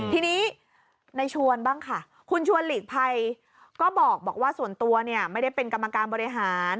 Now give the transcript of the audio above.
ทีนี้ในชวนบ้างค่ะคุณชวนหลีกภัยก็บอกว่าส่วนตัวเนี่ยไม่ได้เป็นกรรมการบริหาร